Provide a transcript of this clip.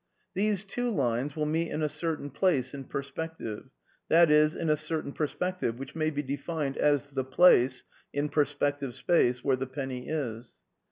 These two lines will meet in a certain place in perspec tive, i.e., in a certain perspective, which may be defined as * the place (in perspective space) where the penny is.'